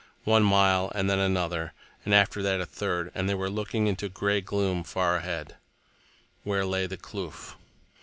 One mile, and then another, and after that a third, and they were looking into gray gloom far ahead, where lay the kloof.